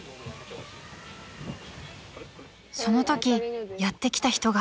［そのときやって来た人が］